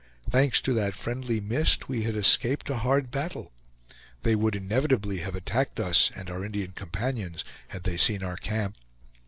Thanks to that friendly mist, we had escaped a hard battle; they would inevitably have attacked us and our Indian companions had they seen our camp.